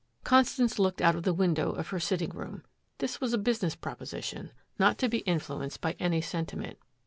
Constance looked out of the window of her sitting room. This was a business proposition, not to be influenced by any sentiment.